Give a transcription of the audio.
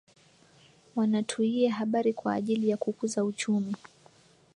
Wanatuia bahari kwaajili ya kukuza uchumi